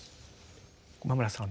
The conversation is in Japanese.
駒村さん